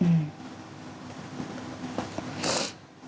อือ